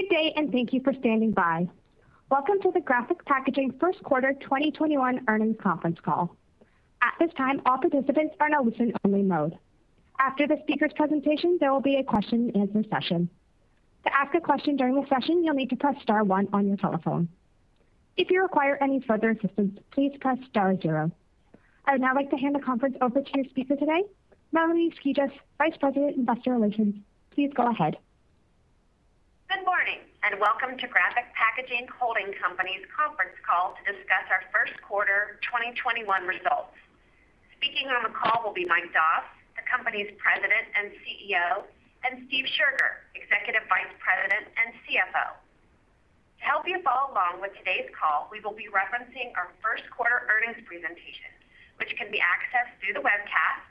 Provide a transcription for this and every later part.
Good day, and thank you for standing by. Welcome to the Graphic Packaging first quarter 2021 earnings conference call.At this time, all participants are in a listen-only mode. After the speakers' presentation, there will be a question-and-answer session. To ask a question during the session, you'll need to press star one on your telephone. If you require any further assistance, please press star zero. I would now like to hand the conference over to your speaker today, Melanie Skijus, Vice President, Investor Relations. Please go ahead. Good morning, and welcome to Graphic Packaging Holding Company's conference call to discuss our first quarter 2021 results. Speaking on the call will be Mike Doss, the company's President and CEO, and Steve Scherger, Executive Vice President and CFO. To help you follow along with today's call, we will be referencing our first quarter earnings presentation, which can be accessed through the webcast,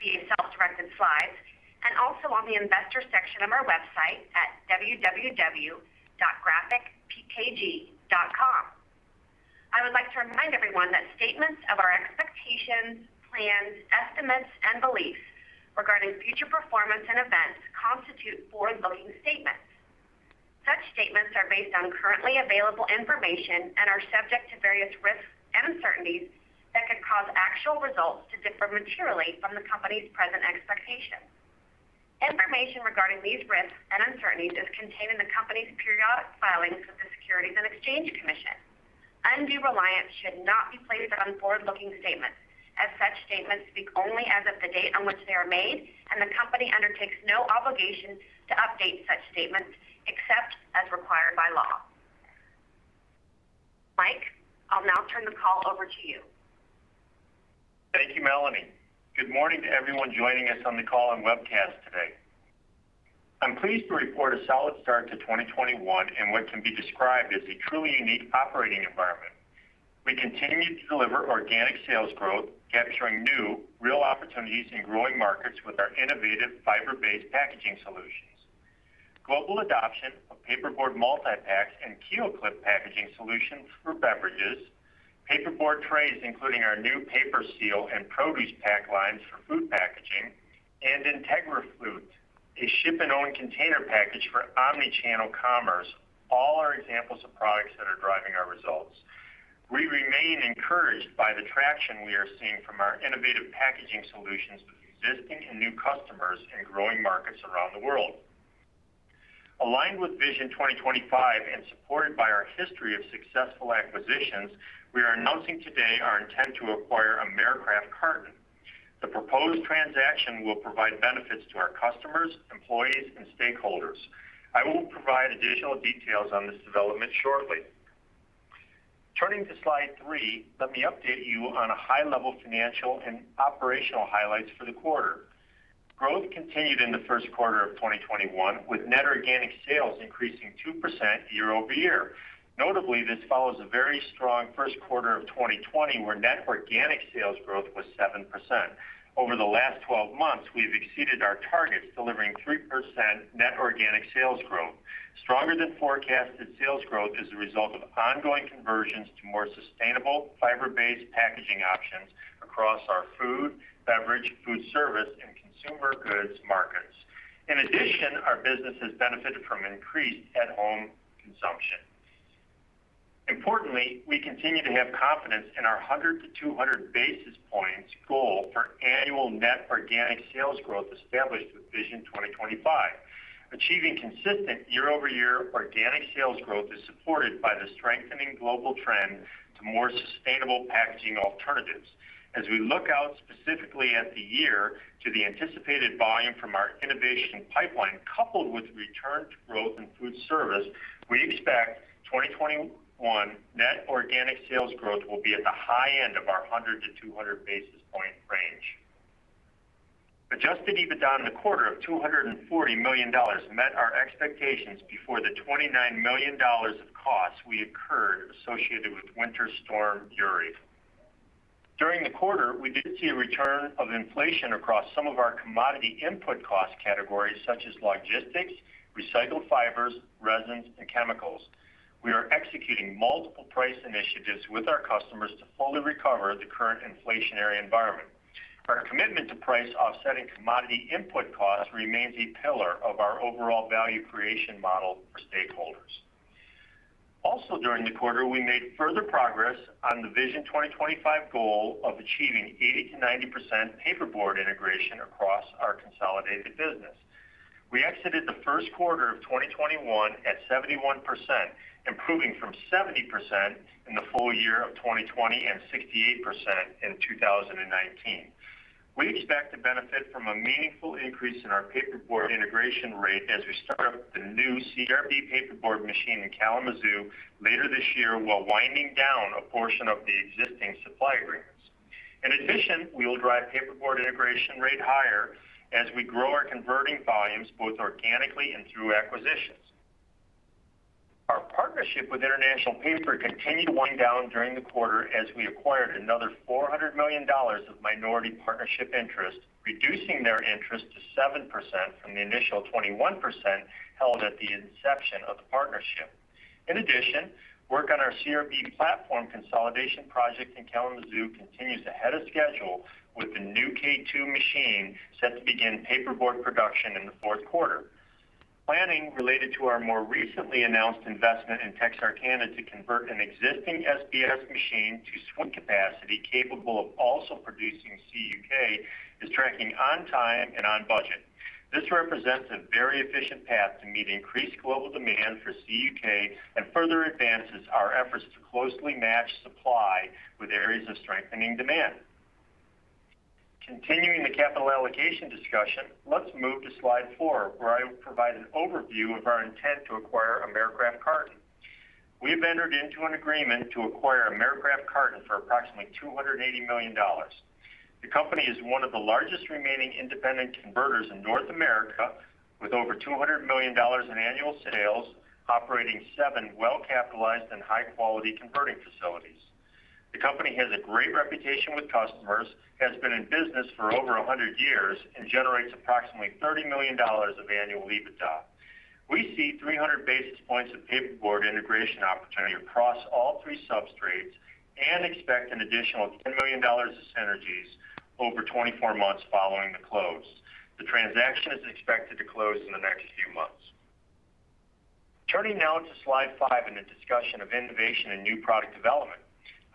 via self-directed slides, and also on the investor section of our website at www.graphicpkg.com. I would like to remind everyone that statements of our expectations, plans, estimates, and beliefs regarding future performance and events constitute forward-looking statements. Such statements are based on currently available information and are subject to various risks and uncertainties that could cause actual results to differ materially from the company's present expectations. Information regarding these risks and uncertainties is contained in the company's periodic filings with the Securities and Exchange Commission. Undue reliance should not be placed on forward-looking statements, as such statements speak only as of the date on which they are made, and the company undertakes no obligation to update such statements except as required by law. Mike, I'll now turn the call over to you. Thank you, Melanie. Good morning to everyone joining us on the call and webcast today. I'm pleased to report a solid start to 2021 in what can be described as a truly unique operating environment. We continue to deliver organic sales growth, capturing new, real opportunities in growing markets with our innovative fiber-based packaging solutions. Global adoption of paperboard multi-pack and KeelClip packaging solutions for beverages, paperboard trays, including our new PaperSeal and ProducePack lines for food packaging, and IntegraFlute, a ship and own container package for omnichannel commerce, all are examples of products that are driving our results. We remain encouraged by the traction we are seeing from our innovative packaging solutions with existing and new customers in growing markets around the world. Aligned with Vision 2025 and supported by our history of successful acquisitions, we are announcing today our intent to acquire Americraft Carton. The proposed transaction will provide benefits to our customers, employees, and stakeholders. I will provide additional details on this development shortly. Turning to slide three, let me update you on a high-level financial and operational highlights for the quarter. Growth continued in the first quarter of 2021, with net organic sales increasing 2% year-over-year. Notably, this follows a very strong first quarter of 2020, where net organic sales growth was 7%. Over the last 12 months, we've exceeded our targets, delivering 3% net organic sales growth. Stronger than forecasted sales growth is the result of ongoing conversions to more sustainable fiber-based packaging options across our food, beverage, food service, and consumer goods markets. Our business has benefited from increased at-home consumption. Importantly, we continue to have confidence in our 100-200 basis points goal for annual net organic sales growth established with Vision 2025. Achieving consistent year-over-year organic sales growth is supported by the strengthening global trend to more sustainable packaging alternatives. As we look out specifically at the year to the anticipated volume from our innovation pipeline, coupled with return to growth in food service, we expect 2021 net organic sales growth will be at the high end of our 100-200 basis point range. Adjusted EBITDA in the quarter of $240 million met our expectations before the $29 million of costs we incurred associated with Winter Storm Uri. During the quarter, we did see a return of inflation across some of our commodity input cost categories such as logistics, recycled fibers, resins, and chemicals. We are executing multiple price initiatives with our customers to fully recover the current inflationary environment. Our commitment to price offsetting commodity input costs remains a pillar of our overall value creation model for stakeholders. Also during the quarter, we made further progress on the Vision 2025 goal of achieving 80%-90% paperboard integration across our consolidated business. We exited the first quarter of 2021 at 71%, improving from 70% in the full year of 2020 and 68% in 2019. We expect to benefit from a meaningful increase in our paperboard integration rate as we start up the new CRB paperboard machine in Kalamazoo later this year, while winding down a portion of the existing supply agreements. In addition, we will drive paperboard integration rate higher as we grow our converting volumes, both organically and through acquisitions. Our partnership with International Paper continued to wind down during the quarter as we acquired another $400 million of minority partnership interest, reducing their interest to 7% from the initial 21% held at the inception of the partnership. Work on our CRB platform consolidation project in Kalamazoo continues ahead of schedule with the new K2 machine set to begin paperboard production in the fourth quarter. Planning related to our more recently announced investment in Texarkana to convert an existing SBS machine to swing capacity capable of also producing CUK is tracking on time and on budget. This represents a very efficient path to meet increased global demand for CUK and further advances our efforts to closely match supply with areas of strengthening demand. Continuing the capital allocation discussion, let's move to slide four, where I will provide an overview of our intent to acquire Americraft Carton. We have entered into an agreement to acquire Americraft Carton for approximately $280 million. The company is one of the largest remaining independent converters in North America, with over $200 million in annual sales, operating seven well-capitalized and high-quality converting facilities. The company has a great reputation with customers, has been in business for over 100 years, and generates approximately $30 million of annual EBITDA. We see 300 basis points of paperboard integration opportunity across all three substrates and expect an additional $10 million of synergies over 24 months following the close. The transaction is expected to close in the next few months. Turning now to slide five in a discussion of innovation and new product development.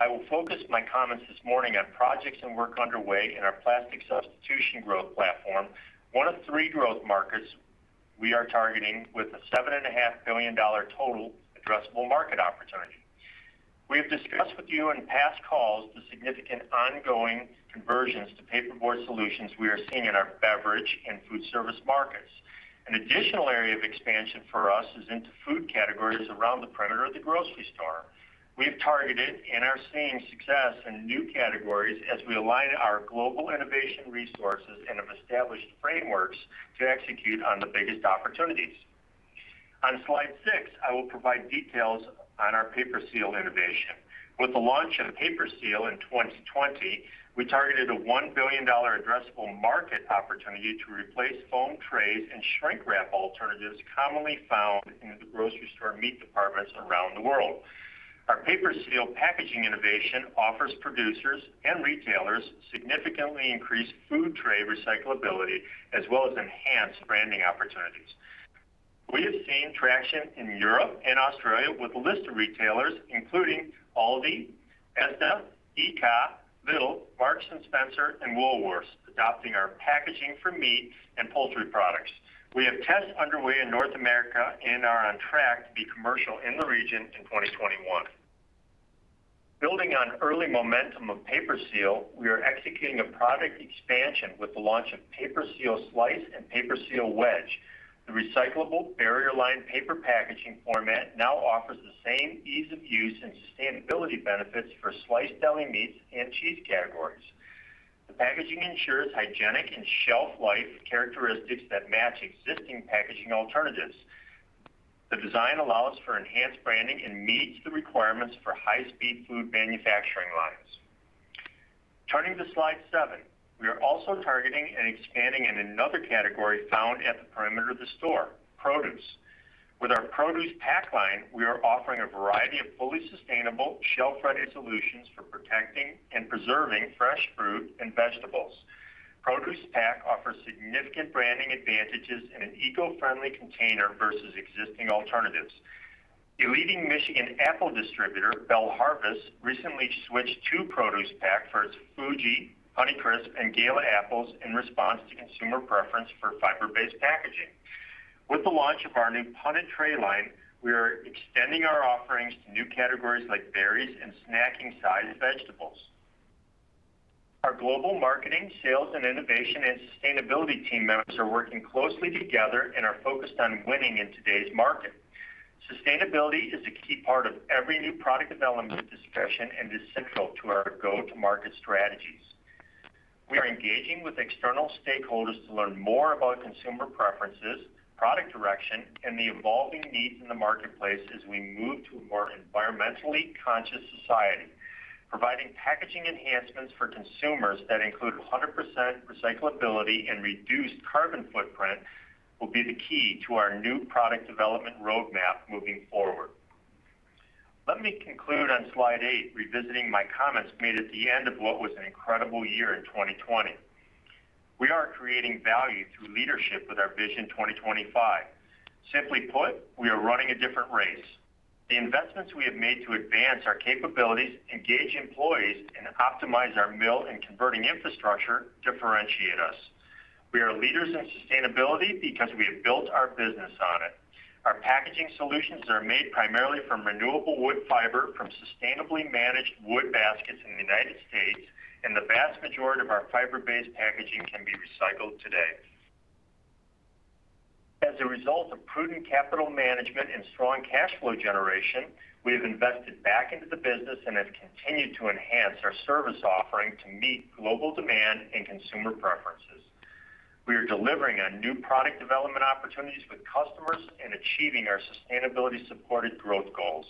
I will focus my comments this morning on projects and work underway in our plastic substitution growth platform, one of three growth markets we are targeting with a $7.5 billion total addressable market opportunity. We have discussed with you in past calls the significant ongoing conversions to paperboard solutions we are seeing in our beverage and food service markets. An additional area of expansion for us is into food categories around the perimeter of the grocery store. We have targeted and are seeing success in new categories as we align our global innovation resources and have established frameworks to execute on the biggest opportunities. On slide six, I will provide details on our PaperSeal innovation. With the launch of PaperSeal in 2020, we targeted a $1 billion addressable market opportunity to replace foam trays and shrink wrap alternatives commonly found in the grocery store meat departments around the world. Our PaperSeal packaging innovation offers producers and retailers significantly increased food tray recyclability, as well as enhanced branding opportunities. We have seen traction in Europe and Australia with a list of retailers, including Aldi, ASDA, ICA, Lidl, Marks & Spencer, and Woolworths, adopting our packaging for meat and poultry products. We have tests underway in North America and are on track to be commercial in the region in 2021. Building on early momentum of PaperSeal, we are executing a product expansion with the launch of PaperSeal Slice and PaperSeal Wedge. The recyclable barrier line paper packaging format now offers the same ease of use and sustainability benefits for sliced deli meats and cheese categories. The packaging ensures hygienic and shelf-life characteristics that match existing packaging alternatives. The design allows for enhanced branding and meets the requirements for high-speed food manufacturing lines. Turning to slide seven. We are also targeting and expanding in another category found at the perimeter of the store, produce. With our ProducePack line, we are offering a variety of fully sustainable shelf-ready solutions for protecting and preserving fresh fruit and vegetables. ProducePack offers significant branding advantages in an eco-friendly container versus existing alternatives. A leading Michigan Apple distributor, BelleHarvest, recently switched to ProducePack for its Fuji, Honeycrisp, and Gala apples in response to consumer preference for fiber-based packaging. With the launch of our new ProducePack Punnet line, we are extending our offerings to new categories like berries and snacking-sized vegetables. Our global marketing, sales, and innovation, and sustainability team members are working closely together and are focused on winning in today's market. Sustainability is a key part of every new product development discussion and is central to our go-to-market strategies. We are engaging with external stakeholders to learn more about consumer preferences, product direction, and the evolving needs in the marketplace as we move to a more environmentally conscious society. Providing packaging enhancements for consumers that include 100% recyclability and reduced carbon footprint will be the key to our new product development roadmap moving forward. Let me conclude on slide eight, revisiting my comments made at the end of what was an incredible year in 2020. We are creating value through leadership with our Vision 2025. Simply put, we are running a different race. The investments we have made to advance our capabilities, engage employees, and optimize our mill and converting infrastructure differentiate us. We are leaders in sustainability because we have built our business on it. Our packaging solutions are made primarily from renewable wood fiber from sustainably managed wood baskets in the U.S., and the vast majority of our fiber-based packaging can be recycled today. As a result of prudent capital management and strong cash flow generation, we have invested back into the business and have continued to enhance our service offering to meet global demand and consumer preferences. We are delivering on new product development opportunities with customers and achieving our sustainability-supported growth goals.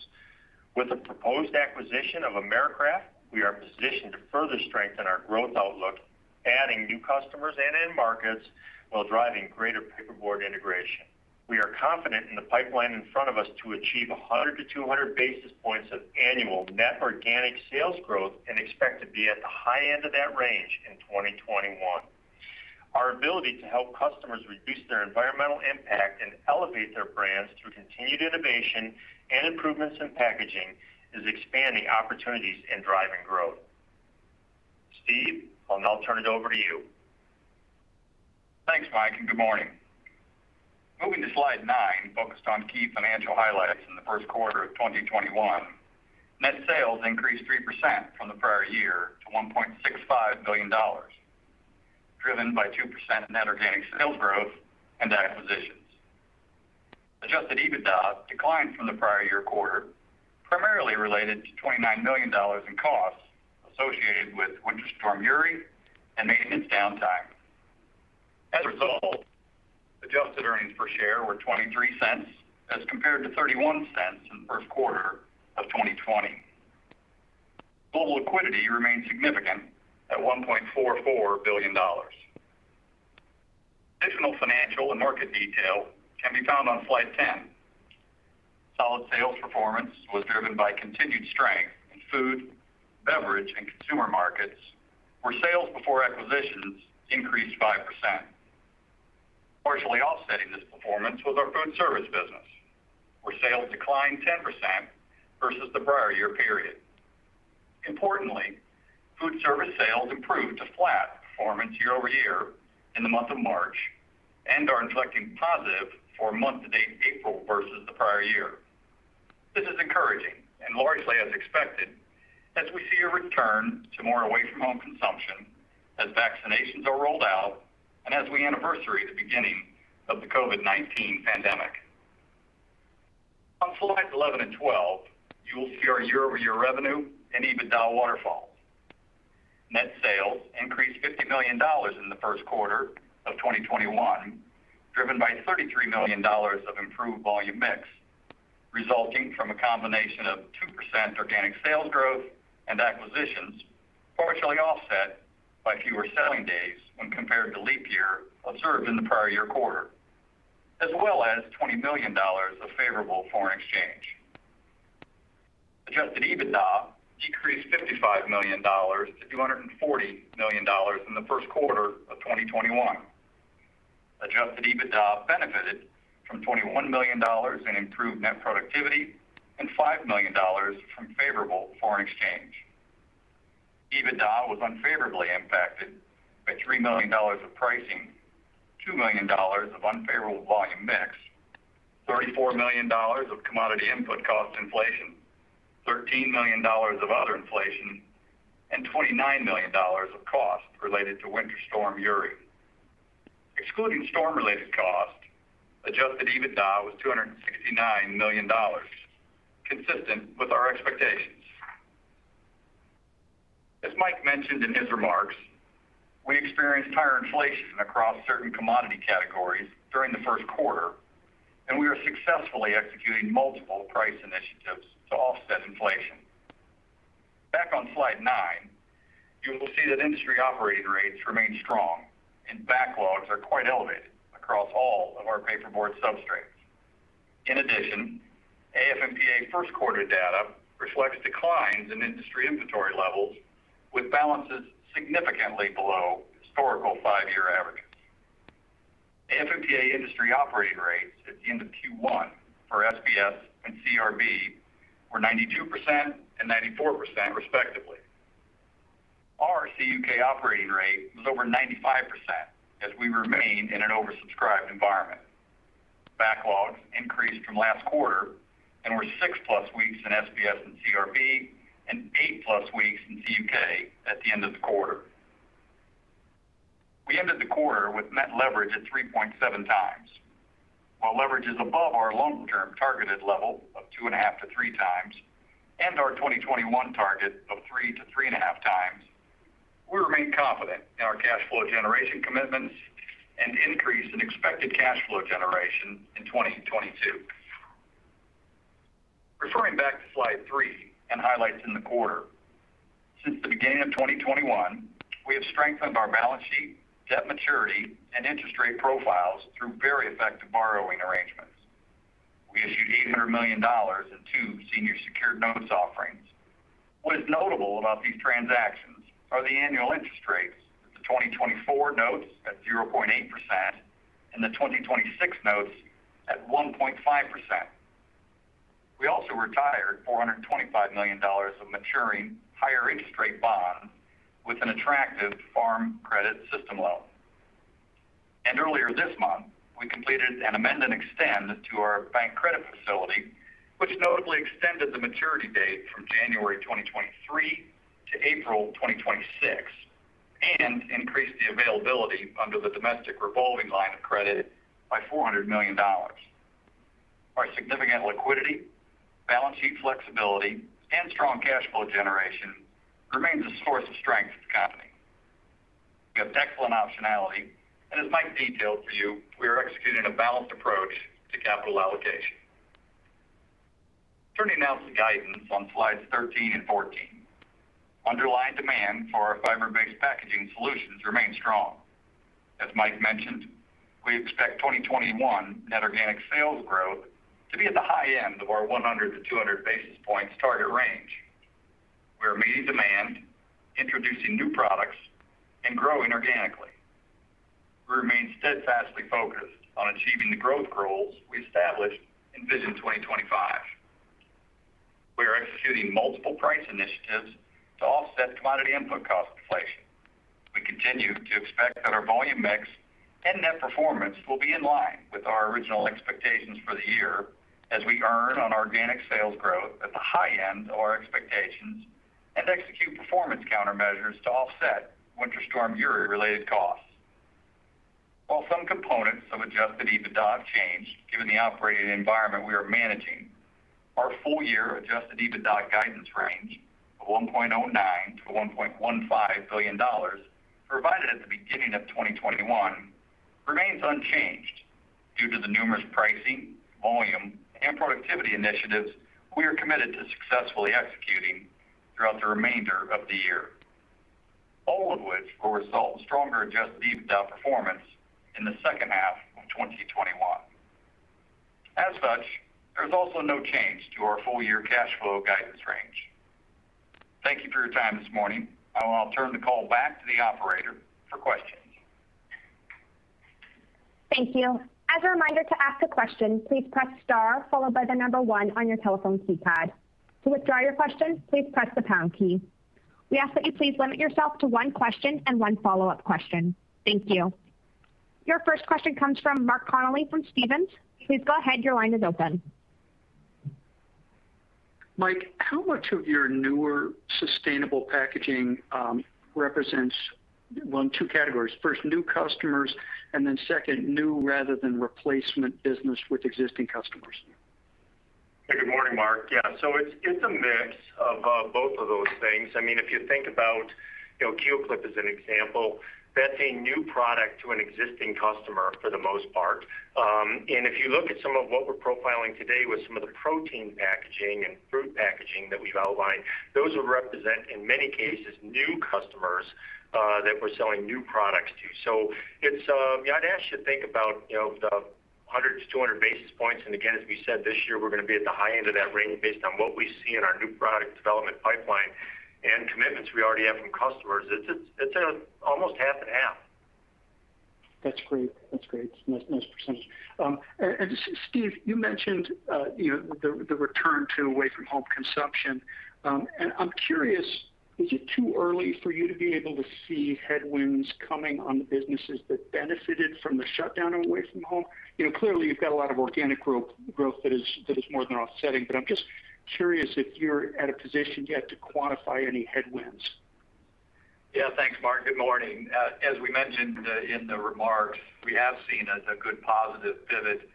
With the proposed acquisition of Americraft, we are positioned to further strengthen our growth outlook, adding new customers and end markets, while driving greater paperboard integration. We are confident in the pipeline in front of us to achieve 100-200 basis points of annual net organic sales growth, and expect to be at the high end of that range in 2021. Our ability to help customers reduce their environmental impact and elevate their brands through continued innovation and improvements in packaging, is expanding opportunities and driving growth. Steve, I'll now turn it over to you. Thanks, Mike, and good morning. Moving to slide nine, focused on key financial highlights in the first quarter of 2021. Net sales increased 3% from the prior year to $1.65 billion, driven by 2% net organic sales growth and acquisitions. Adjusted EBITDA declined from the prior year quarter, primarily related to $29 million in costs associated with Winter Storm Uri and maintenance downtime. As a result, adjusted earnings per share were $0.23 as compared to $0.31 in the first quarter of 2020. Total liquidity remains significant at $1.44 billion. Additional financial and market detail can be found on slide 10. Solid sales performance was driven by continued strength in food, beverage, and consumer markets, where sales before acquisitions increased 5%. Partially offsetting this performance was our food service business, where sales declined 10% versus the prior year period. Importantly, food service sales improved to flat performance year-over-year in the month of March, and are inflecting positive for month to date April versus the prior year. This is encouraging and largely as expected, as we see a return to more away from home consumption as vaccinations are rolled out, and as we anniversary the beginning of the COVID-19 pandemic. On slides 11 and 12, you will see our year-over-year revenue and EBITDA waterfalls. Net sales increased $50 million in the first quarter of 2021, driven by $33 million of improved volume mix, resulting from a combination of 2% organic sales growth and acquisitions, partially offset by fewer selling days when compared to leap year observed in the prior year quarter, as well as $20 million of favorable foreign exchange. Adjusted EBITDA decreased $55 million-$240 million in the first quarter of 2021. Adjusted EBITDA benefited from $21 million in improved net productivity and $5 million from favorable foreign exchange. EBITDA was unfavorably impacted by $3 million of pricing, $2 million of unfavorable volume mix, $34 million of commodity input cost inflation, $13 million of other inflation, and $29 million of costs related to Winter Storm Uri. Excluding storm-related costs, adjusted EBITDA was $269 million, consistent with our expectations. As Mike mentioned in his remarks, we experienced higher inflation across certain commodity categories during the first quarter, and we are successfully executing multiple price initiatives to offset inflation. Back on slide nine, you will see that industry operating rates remain strong and backlogs are quite elevated across all of our paperboard substrates. In addition, AF&PA first quarter data reflects declines in industry inventory levels with balances significantly below historical five-year averages. AF&PA industry operating rates at the end of Q1 for SBS and CRB were 92% and 94%, respectively. Our CUK operating rate was over 95%, as we remained in an oversubscribed environment. Backlogs increased from last quarter and were six-plus weeks in SBS and CRB, and eight-plus weeks in CUK at the end of the quarter. We ended the quarter with net leverage at 3.7x. While leverage is above our long-term targeted level of 2.5x to 3x, and our 2021 target of 3x to 3.5x, we remain confident in our cash flow generation commitments and increase in expected cash flow generation in 2022. Referring back to slide three and highlights in the quarter. Since the beginning of 2021, we have strengthened our balance sheet, debt maturity, and interest rate profiles through very effective borrowing arrangements. We issued $800 million in two senior secured notes offerings. What is notable about these transactions are the annual interest rates, with the 2024 notes at 0.8% and the 2026 notes at 1.5%. We also retired $425 million of maturing higher interest rate bonds with an attractive Farm Credit System loan. Earlier this month, we completed an amend and extend to our bank credit facility, which notably extended the maturity date from January 2023 to April 2026, and increased the availability under the domestic revolving line of credit by $400 million. Our significant liquidity, balance sheet flexibility, and strong cash flow generation remains a source of strength As Mike detailed for you, we are executing a balanced approach to capital allocation. Turning now to the guidance on slides 13 and 14. Underlying demand for our fiber-based packaging solutions remains strong. As Mike mentioned, we expect 2021 net organic sales growth to be at the high end of our 100-200 basis points target range. We are meeting demand, introducing new products, and growing organically. We remain steadfastly focused on achieving the growth goals we established in Vision 2025. We are executing multiple price initiatives to offset commodity input cost inflation. We continue to expect that our volume mix and net performance will be in line with our original expectations for the year, as we earn on our organic sales growth at the high end of our expectations and execute performance countermeasures to offset Winter Storm Uri related costs. While some components of adjusted EBITDA have changed, given the operating environment we are managing, our full-year adjusted EBITDA guidance range of $1.09 billion-$1.15 billion provided at the beginning of 2021 remains unchanged due to the numerous pricing, volume, and productivity initiatives we are committed to successfully executing throughout the remainder of the year. All of which will result in stronger adjusted EBITDA performance in the second half of 2021. As such, there's also no change to our full-year cash flow guidance range. Thank you for your time this morning. I will now turn the call back to the operator for questions. Thank you. As a reminder, to ask a question, please press star followed by the number one on your telephone keypad. To withdraw your question, please press the pound key. We ask that you please limit yourself to one question and one follow-up question. Thank you. Your first question comes from Mark Connelly from Stephens. Please go ahead, your line is open. Mike, how much of your newer sustainable packaging represents, one of two categories. First, new customers, and then second, new rather than replacement business with existing customers? Hey, good morning, Mark. Yeah. It's a mix of both of those things. If you think about KeelClip as an example, that's a new product to an existing customer for the most part. If you look at some of what we're profiling today with some of the protein packaging and fruit packaging that we've outlined, those will represent, in many cases, new customers, that we're selling new products to. I'd ask you to think about the 100-200 basis points. Again, as we said this year, we're going to be at the high end of that range based on what we see in our new product development pipeline and commitments we already have from customers. It's almost half and half. That's great. That's nice percent. Steve, you mentioned the return to away-from-home consumption. I'm curious, is it too early for you to be able to see headwinds coming on the businesses that benefited from the shutdown and away from home? Clearly, you've got a lot of organic growth that is more than offsetting, but I'm just curious if you're at a position yet to quantify any headwinds. Yeah. Thanks, Mark. Good morning. As we mentioned in the remarks, we have seen a good positive pivot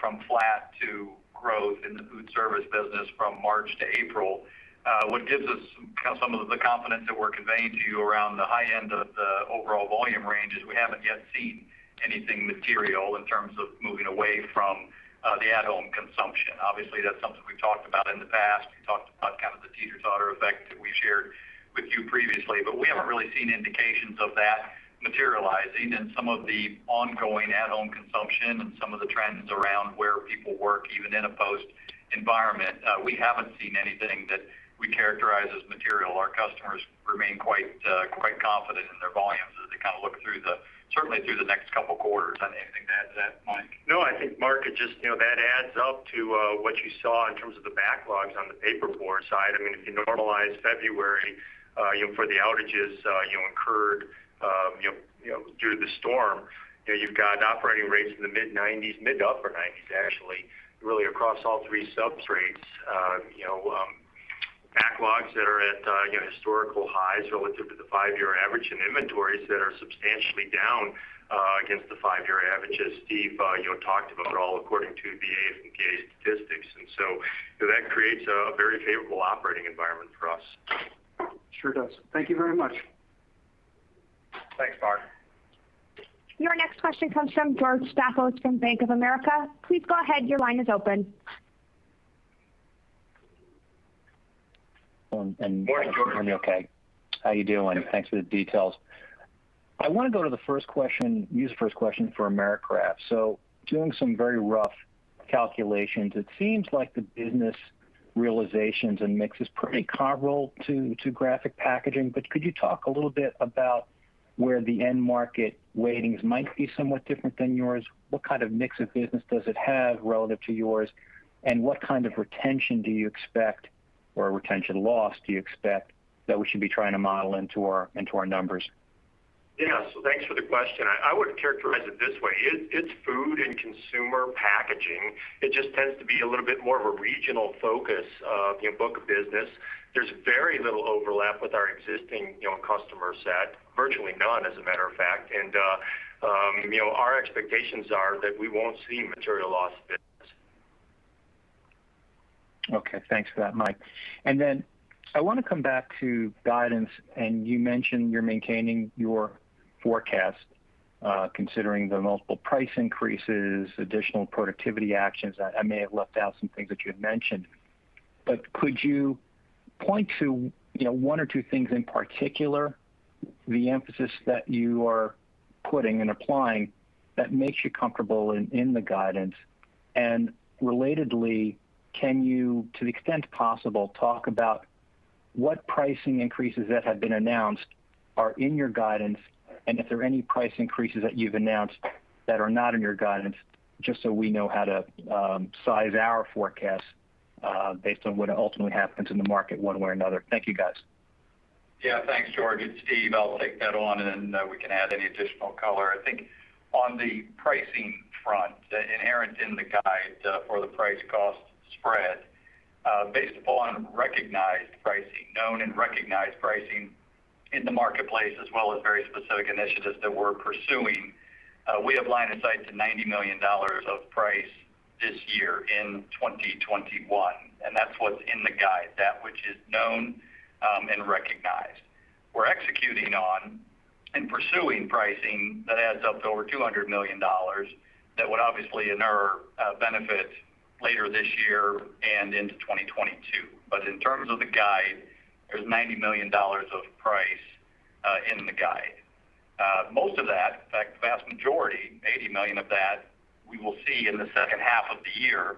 from flat to growth in the food service business from March to April. What gives us some of the confidence that we're conveying to you around the high end of the overall volume range is we haven't yet seen anything material in terms of moving away from the at-home consumption. Obviously, that's something we've talked about in the past. We talked about kind of the teeter-totter effect that we shared with you previously. We haven't really seen indications of that materializing in some of the ongoing at-home consumption and some of the trends around where people work, even in a post environment. We haven't seen anything that we characterize as material. Our customers remain quite confident in their volumes as they kind of look certainly through the next couple of quarters on anything. Mike? No, I think Mark, that adds up to what you saw in terms of the backlogs on the paperboard side. If you normalize February for the outages incurred during the storm, you've got operating rates in the mid-90s, mid to upper 90s, actually, really across all three substrates. Backlogs that are at historical highs relative to the five-year average, inventories that are substantially down against the five-year averages. Steve talked about it all according to AF&PA and K2 statistics. That creates a very favorable operating environment for us. Sure does. Thank you very much. Thanks, Mark. Your next question comes from George Staphos from Bank of America. Please go ahead, your line is open. Morning, okay. How you doing? Thanks for the details. I want to go to the first question, use the first question for Americraft. Doing some very rough calculations, it seems like the business realizations and mix is pretty comparable to Graphic Packaging, but could you talk a little bit about where the end market weightings might be somewhat different than yours? What kind of mix of business does it have relative to yours, and what kind of retention do you expect or retention loss do you expect that we should be trying to model into our numbers? Yeah. Thanks for the question. I would characterize it this way. It's food and consumer packaging. It just tends to be a little bit more of a regional focus of book of business. There's very little overlap with our existing customer set, virtually none, as a matter of fact. Our expectations are that we won't see material loss fit Okay. Thanks for that, Mike. I want to come back to guidance, and you mentioned you're maintaining your forecast, considering the multiple price increases, additional productivity actions. I may have left out some things that you had mentioned. Could you point to one or two things in particular, the emphasis that you are putting and applying that makes you comfortable in the guidance? Relatedly, can you, to the extent possible, talk about what pricing increases that have been announced are in your guidance, and if there are any price increases that you've announced that are not in your guidance, just so we know how to size our forecast, based on what ultimately happens in the market one way or another. Thank you, guys. Yeah. Thanks, George. It's Steve. I'll take that on, and then we can add any additional color. I think on the pricing front, inherent in the guide for the price cost spread, based upon recognized pricing, known and recognized pricing in the marketplace as well as very specific initiatives that we're pursuing, we have line of sight to $90 million of price this year in 2021, and that's what's in the guide. That which is known and recognized. We're executing on and pursuing pricing that adds up to over $200 million that would obviously inure a benefit later this year and into 2022. In terms of the guide, there's $90 million of price in the guide. Most of that, in fact, the vast majority, $80 million of that, we will see in the second half of the year.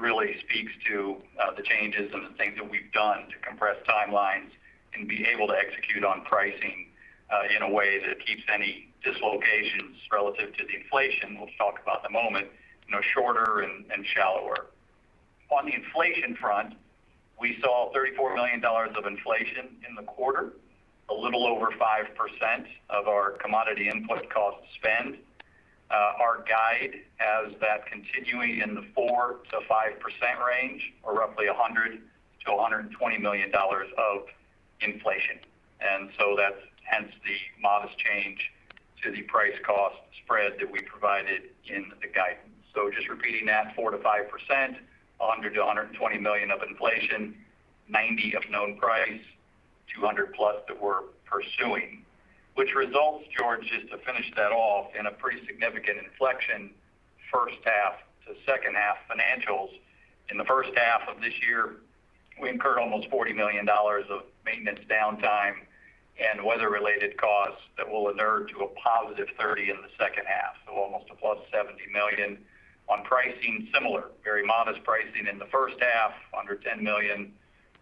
Really speaks to the changes and the things that we've done to compress timelines and be able to execute on pricing in a way that keeps any dislocations relative to the inflation we'll talk about in a moment, shorter and shallower. On the inflation front, we saw $34 million of inflation in the quarter, a little over 5% of our commodity input cost spend. Our guide has that continuing in the 4%-5% range, or roughly $100 million-$120 million of inflation. That's hence the modest change to the price cost spread that we provided in the guidance. Just repeating that, 4%-5%, $100 million-$120 million of inflation, $90 million of known price, $200 million plus that we're pursuing. Results, George, just to finish that off, in a pretty significant inflection first half to second half financials. In the first half of this year, we incurred almost $40 million of maintenance downtime and weather-related costs that will inure to a positive $30 million in the second half. Almost a +$70 million. On pricing, similar. Very modest pricing in the first half, under $10 million,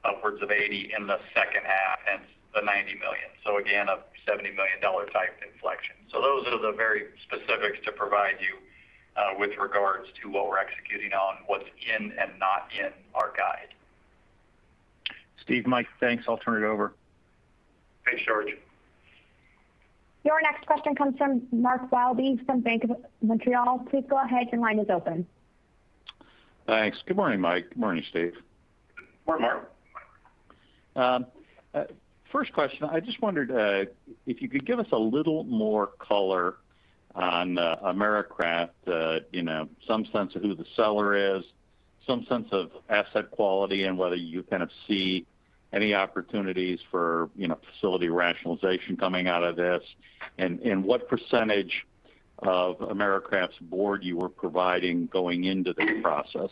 upwards of $80 million in the second half, hence the $90 million. Again, a $70 million-type inflection. Those are the very specifics to provide you with regards to what we're executing on, what's in and not in our guide. Steve, Mike, thanks. I'll turn it over. Thanks, George. Your next question comes from Mark Wilde from BMO Capital Markets. Please go ahead. Your line is open. Thanks. Good morning, Mike. Good morning, Steve. Morning, Mark. Morning, Mark. First question, I just wondered if you could give us a little more color on Americraft, some sense of who the seller is, some sense of asset quality and whether you kind of see any opportunities for facility rationalization coming out of this, and what percentage of Americraft's board you were providing going into this process?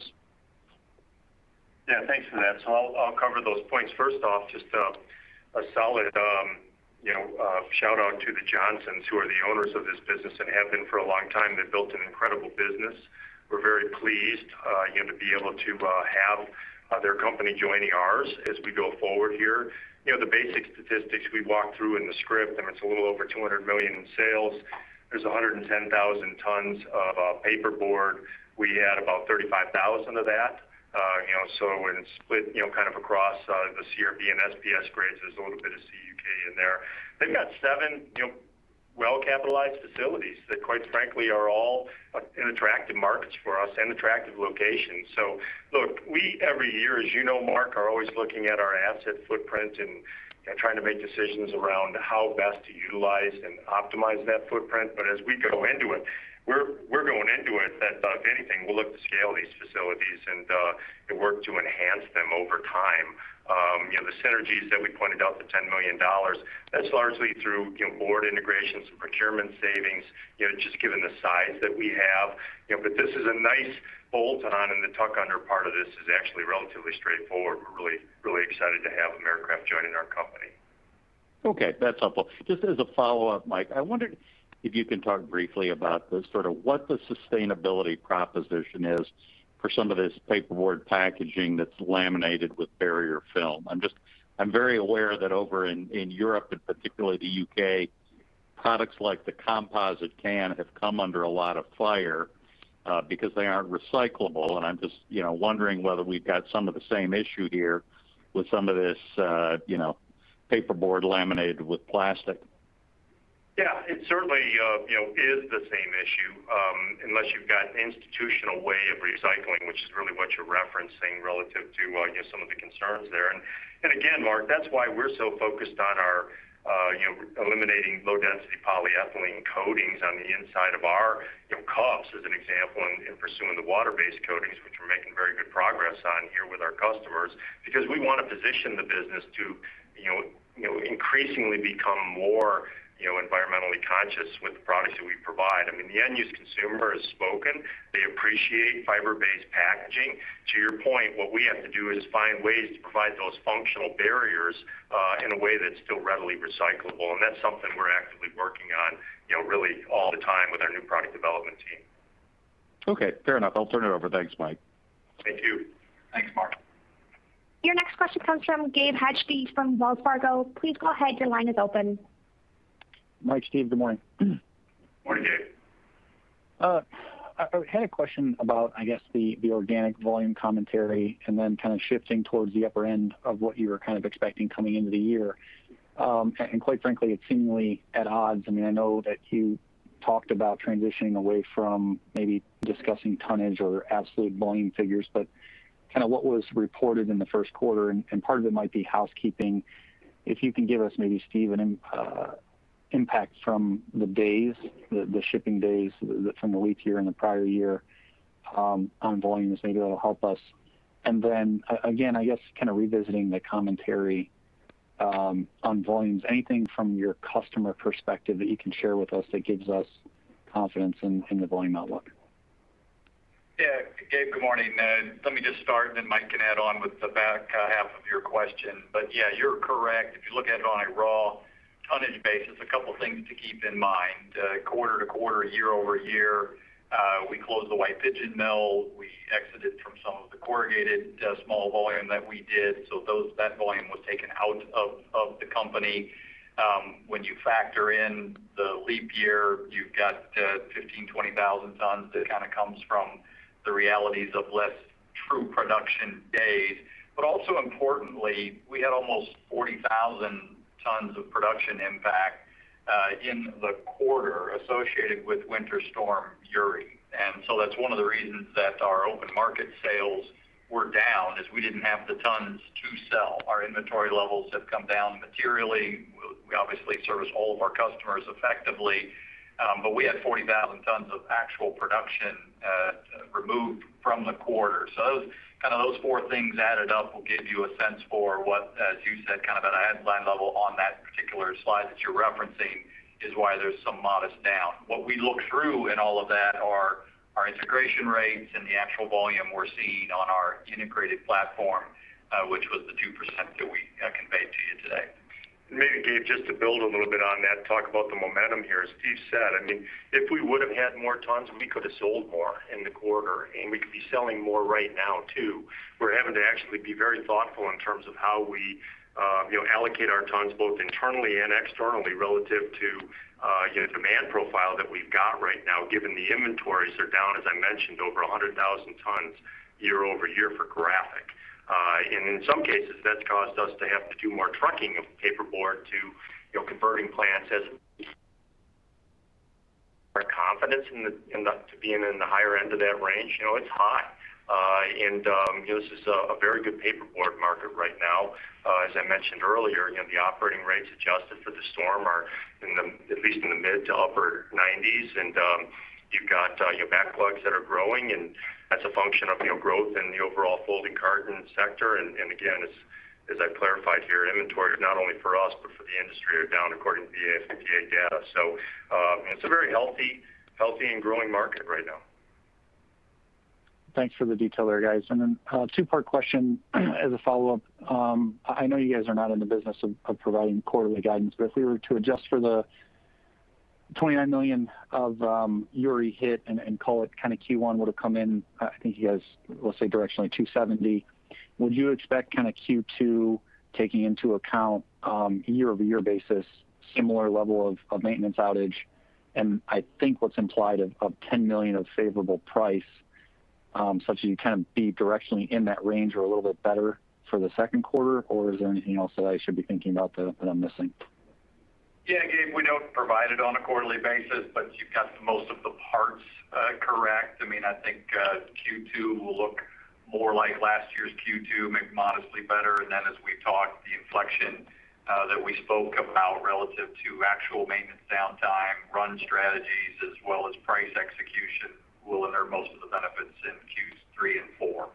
Yeah. Thanks for that. I'll cover those points. First off, just a solid shout-out to the Johnsons, who are the owners of this business and have been for a long time. They've built an incredible business. We're very pleased to be able to have their company joining ours as we go forward here. The basic statistics we walked through in the script, it's a little over $200 million in sales. There's 110,000 tons of paperboard. We had about 35,000 of that. Split kind of across the CRB and SBS grades, there's a little bit of CUK in there. They've got seven well-capitalized facilities that, quite frankly, are all in attractive markets for us and attractive locations. Look, we every year, as you know, Mark, are always looking at our asset footprint and trying to make decisions around how best to utilize and optimize that footprint. As we go into it, we're going into it that if anything, we'll look to scale these facilities and work to enhance them over time. The synergies that we pointed out, the $10 million, that's largely through board integrations and procurement savings, just given the size that we have. This is a nice bolt-on, and the tuck-under part of this is actually relatively straightforward. We're really excited to have Americraft joining our company. Okay. That's helpful. Just as a follow-up, Mike, I wondered if you can talk briefly about what the sustainability proposition is for some of this paperboard packaging that's laminated with barrier film. I'm very aware that over in Europe, and particularly the U.K., products like the composite can have come under a lot of fire because they aren't recyclable, and I'm just wondering whether we've got some of the same issue here with some of this paperboard laminated with plastic. Yeah. It certainly is the same issue, unless you've got an institutional way of recycling, which is really what you're referencing relative to some of the concerns there. Again, Mark, that's why we're so focused on eliminating low-density polyethylene coatings on the inside of our cups, as an example, and pursuing the water-based coatings. Good progress on here with our customers, because we want to position the business to increasingly become more environmentally conscious with the products that we provide. The end-use consumer has spoken. They appreciate fiber-based packaging. To your point, what we have to do is find ways to provide those functional barriers in a way that's still readily recyclable, and that's something we're actively working on really all the time with our new product development team. Okay, fair enough. I'll turn it over. Thanks, Mike. Thank you. Thanks, Mark. Your next question comes from Gabe Hajde from Wells Fargo. Please go ahead. Your line is open. Mike, Steve, good morning. Morning, Gabe. I had a question about, I guess, the organic volume commentary, and then kind of shifting towards the upper end of what you were kind of expecting coming into the year. Quite frankly, it's seemingly at odds. I know that you talked about transitioning away from maybe discussing tonnage or absolute volume figures, but kind of what was reported in the first quarter, and part of it might be housekeeping. If you can give us maybe, Stephen, an impact from the days, the shipping days from the leap year and the prior year, on volumes, maybe that'll help us. Again, I guess kind of revisiting the commentary on volumes, anything from your customer perspective that you can share with us that gives us confidence in the volume outlook? Yeah, Gabe, good morning. Let me just start and then Mike can add on with the back half of your question. Yeah, you're correct. If you look at it on a raw tonnage basis, a couple things to keep in mind. Quarter-to-quarter, year-over-year, we closed the White Pigeon mill. We exited from some of the corrugated small volume that we did. That volume was taken out of the company. When you factor in the leap year, you've got 15,000, 20,000 tons that kind of comes from the realities of less true production days. Also importantly, we had almost 40,000 tons of production impact in the quarter associated with Winter Storm Uri. That's one of the reasons that our open market sales were down, is we didn't have the tons to sell. Our inventory levels have come down materially. We obviously service all of our customers effectively, but we had 40,000 tons of actual production removed from the quarter. Kind of those four things added up will give you a sense for what, as you said, kind of at a headline level on that particular slide that you're referencing is why there's some modest down. What we look through in all of that are our integration rates and the actual volume we're seeing on our integrated platform, which was the 2% that we conveyed to you today. Maybe, Gabe, just to build a little bit on that, talk about the momentum here. As Steve said, if we would've had more tons, we could've sold more in the quarter, and we could be selling more right now, too. We're having to actually be very thoughtful in terms of how we allocate our tons both internally and externally relative to the demand profile that we've got right now, given the inventories are down, as I mentioned, over 100,000 tons year-over-year for Graphic. In some cases, that's caused us to have to do more trucking of paperboard to converting plants as our confidence to being in the higher end of that range. It's hot. This is a very good paperboard market right now. As I mentioned earlier, the operating rates adjusted for the storm are at least in the mid-to-upper 90s. You've got your backlogs that are growing, that's a function of growth in the overall folding carton sector. Again, as I clarified here, inventories, not only for us but for the industry, are down according to the AF&PA data. It's a very healthy and growing market right now. Thanks for the detail there, guys. A two-part question as a follow-up. I know you guys are not in the business of providing quarterly guidance, if we were to adjust for the $29 million of Uri hit and call it kind of Q1 would've come in, I think you guys will say directionally $270 million. Would you expect kind of Q2 taking into account year-over-year basis, similar level of maintenance outage, and I think what's implied of $10 million of favorable price, such that you'd kind of be directionally in that range or a little bit better for the second quarter? Is there anything else that I should be thinking about that I'm missing? Yeah, Gabe, we don't provide it on a quarterly basis, but you've got most of the parts correct. I think Q2 will look more like last year's Q2, maybe modestly better. As we've talked, the inflection that we spoke about relative to actual maintenance downtime, run strategies, as well as price execution will endure most of the benefits in Q3 and four.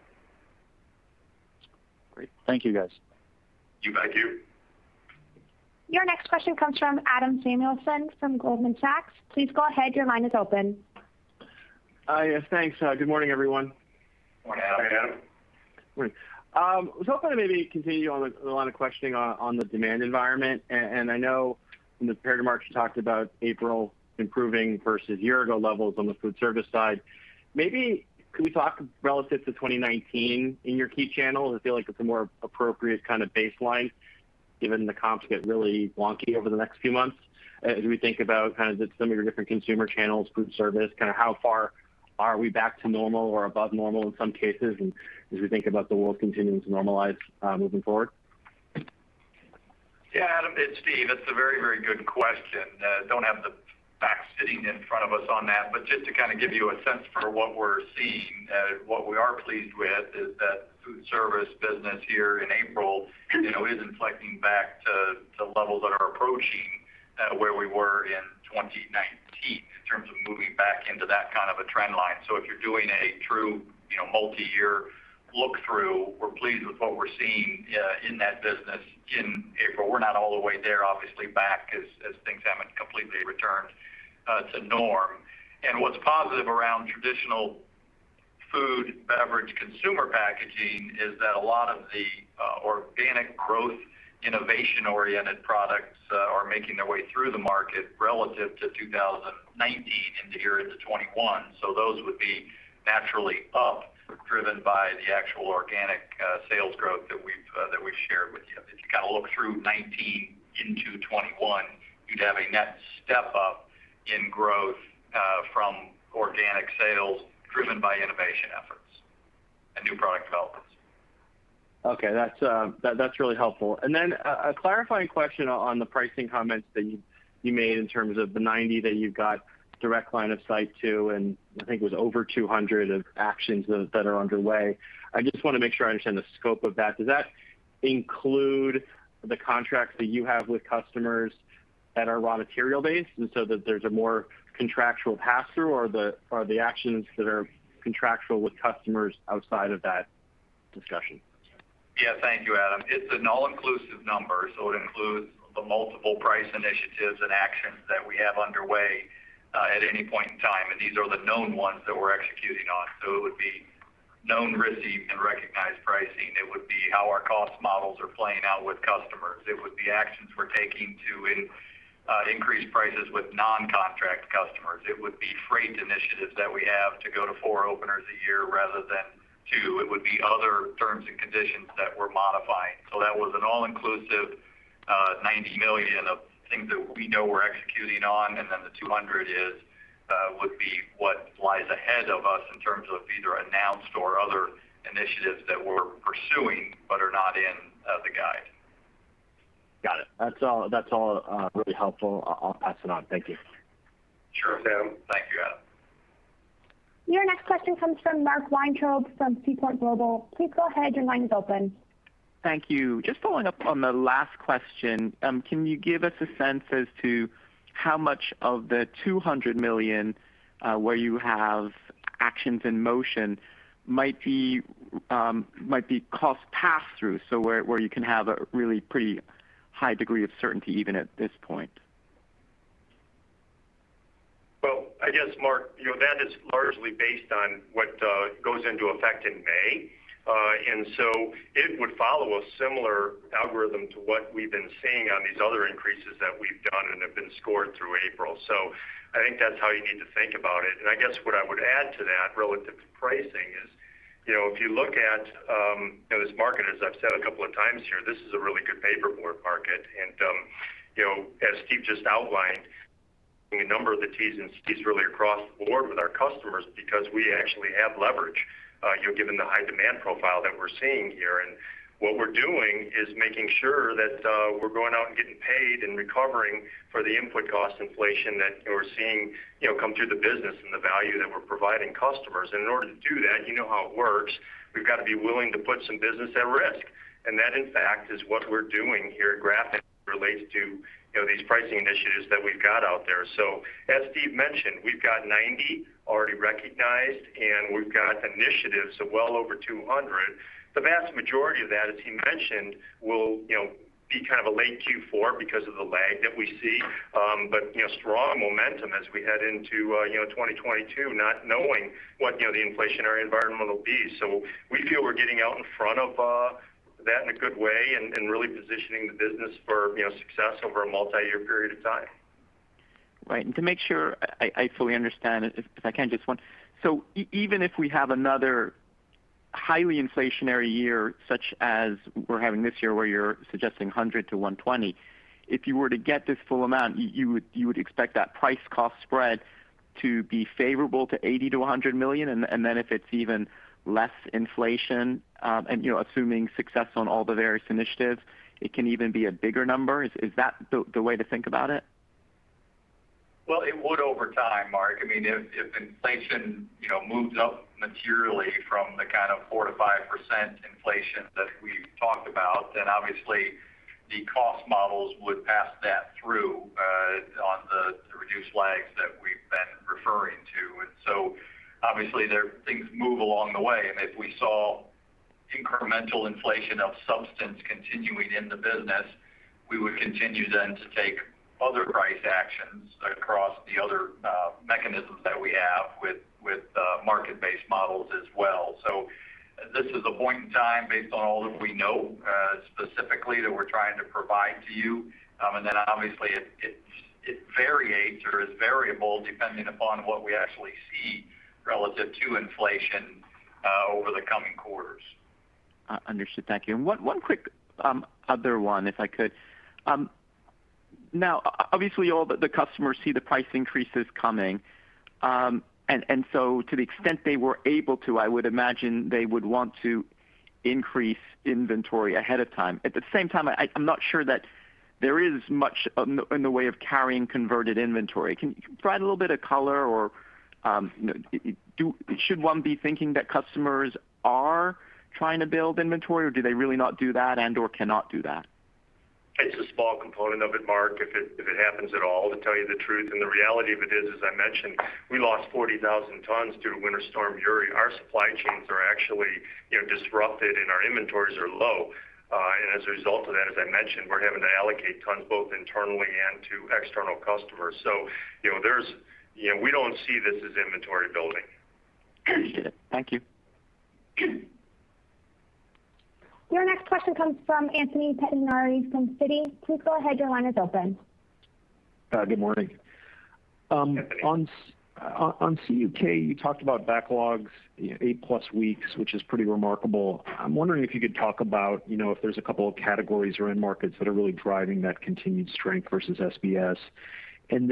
Great. Thank you, guys. Thank you. Thank you. Your next question comes from Adam Samuelson from Goldman Sachs. Please go ahead. Your line is open. Yes, thanks. Good morning, everyone. Morning, Adam. Morning, Adam. Great. Was hoping to maybe continue on the line of questioning on the demand environment. I know in the prepared remarks, you talked about April improving versus year-ago levels on the food service side. Maybe could we talk relative to 2019 in your key channels? I feel like it's a more appropriate kind of baseline given the comps get really wonky over the next few months. As we think about kind of some of your different consumer channels, food service, kind of how far are we back to normal or above normal in some cases, as we think about the world continuing to normalize moving forward? Yeah, Adam, it's Steve. It's a very good question. Don't have the facts sitting in front of us on that, but just to kind of give you a sense for what we're seeing. What we are pleased with is that food service business here in April is inflecting back to levels that are approaching where we were in 2019. Moving back into that kind of a trend line. If you're doing a true multi-year look-through, we're pleased with what we're seeing in that business in April. We're not all the way there, obviously back, because as things haven't completely returned to norm. What's positive around traditional food, beverage, consumer packaging is that a lot of the organic growth, innovation-oriented products are making their way through the market relative to 2019 into here into 2021. Those would be naturally up, driven by the actual organic sales growth that we've shared with you. If you look through 2019 into 2021, you'd have a net step-up in growth from organic sales driven by innovation efforts and new product developments. Okay. That's really helpful. A clarifying question on the pricing comments that you made in terms of the 90 that you've got direct line of sight to, and I think it was over 200 of actions that are underway. I just want to make sure I understand the scope of that. Does that include the contracts that you have with customers that are raw material based, and so that there's a more contractual pass-through, or are the actions that are contractual with customers outside of that discussion? Thank you, Adam. It's an all-inclusive number, so it includes the multiple price initiatives and actions that we have underway at any point in time, and these are the known ones that we're executing on. It would be known, received, and recognized pricing. It would be how our cost models are playing out with customers. It would be actions we're taking to increase prices with non-contract customers. It would be freight initiatives that we have to go to four openers a year rather than two. It would be other terms and conditions that we're modifying. That was an all-inclusive $90 million of things that we know we're executing on, and then the $200 million would be what lies ahead of us in terms of either announced or other initiatives that we're pursuing but are not in the guide. Got it. That's all really helpful. I'll pass it on. Thank you. Sure thing. Thank you, Adam. Your next question comes from Mark Weintraub from Seaport Global. Please go ahead. Your line is open. Thank you. Just following up on the last question. Can you give us a sense as to how much of the $200 million, where you have actions in motion, might be cost passed through, so where you can have a really pretty high degree of certainty even at this point? Well, I guess, Mark, that is largely based on what goes into effect in May. It would follow a similar algorithm to what we've been seeing on these other increases that we've done and have been scored through April. I think that's how you need to think about it. I guess what I would add to that relative to pricing is, if you look at this market, as I've said a couple of times here, this is a really good paperboard market. As Steve just outlined, seeing a number of the Ts and Cs really across the board with our customers because we actually have leverage. You're given the high demand profile that we're seeing here. What we're doing is making sure that we're going out and getting paid and recovering for the input cost inflation that we're seeing come through the business and the value that we're providing customers. In order to do that, you know how it works. We've got to be willing to put some business at risk. That, in fact, is what we're doing here at Graphic relates to these pricing initiatives that we've got out there. As Steve mentioned, we've got 90 already recognized, and we've got initiatives of well over 200. The vast majority of that, as he mentioned, will be kind of a late Q4 because of the lag that we see. Strong momentum as we head into 2022, not knowing what the inflationary environment will be. We feel we're getting out in front of that in a good way and really positioning the business for success over a multi-year period of time. Right. To make sure I fully understand it, if I can, just one. Even if we have another highly inflationary year, such as we're having this year, where you're suggesting $100 million-$120 million. If you were to get this full amount, you would expect that price cost spread to be favorable to $80 million-$100 million, if it's even less inflation, and assuming success on all the various initiatives, it can even be a bigger number. Is that the way to think about it? Well, it would over time, Mark. If inflation moves up materially from the kind of 4%-5% inflation that we've talked about, obviously the cost models would pass that through on the reduced lags that we've been referring to. Obviously things move along the way, and if we saw incremental inflation of substance continuing in the business, we would continue then to take other price actions across the other mechanisms that we have with market-based models as well. This is a point in time based on all that we know specifically that we're trying to provide to you. Obviously it variates or is variable depending upon what we actually see relative to inflation over the coming quarters. Understood. Thank you. One quick other one, if I could. Now, obviously all the customers see the price increases coming. To the extent they were able to, I would imagine they would want to increase inventory ahead of time. At the same time, I'm not sure that there is much in the way of carrying converted inventory. Can you provide a little bit of color, or should one be thinking that customers are trying to build inventory, or do they really not do that and/or cannot do that? It's a small component of it, Mark, if it happens at all, to tell you the truth. The reality of it is, as I mentioned, we lost 40,000 tons due to Winter Storm Uri. Our supply chains are actually disrupted, and our inventories are low. As a result of that, as I mentioned, we're having to allocate tons both internally and to external customers. We don't see this as inventory building. Appreciate it. Thank you. Your next question comes from Anthony Pettinari from Citi. Please go ahead. Your line is open. Good morning. Anthony. On CUK, you talked about backlogs, eight-plus weeks, which is pretty remarkable. I'm wondering if you could talk about if there's a couple of categories or end markets that are really driving that continued strength versus SBS. On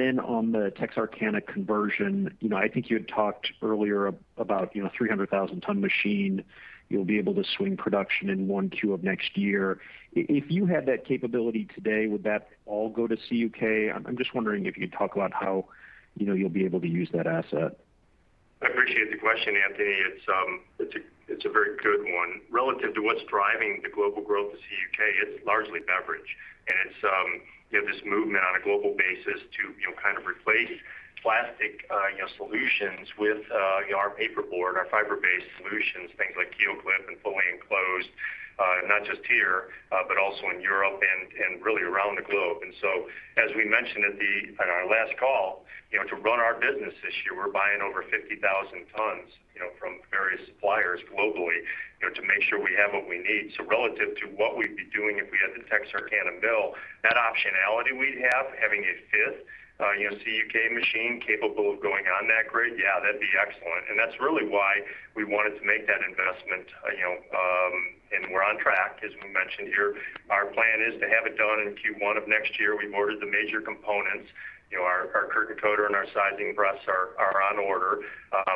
the Texarkana conversion, I think you had talked earlier about 300,000 ton machine. You'll be able to swing production in one Q of next year. If you had that capability today, would that all go to CUK? I'm just wondering if you could talk about how you'll be able to use that asset. I appreciate the question, Anthony. It's a very good one. Relative to what's driving the global growth of CUK, it's largely beverage. It's this movement on a global basis to kind of replace plastic solutions with our paperboard, our fiber-based solutions, things like KeelClip and fully enclosed. Not just here, but also in Europe and really around the globe. As we mentioned on our last call, to run our business this year, we're buying over 50,000 tons from various suppliers globally to make sure we have what we need. Relative to what we'd be doing if we had the Texarkana mill, that optionality we'd have, having a fifth CUK machine capable of going on that grid, yeah, that'd be excellent. That's really why we wanted to make that investment. We're on track, as we mentioned here. Our plan is to have it done in Q1 of next year. We've ordered the major components. Our curtain coater and our sizing press are on order.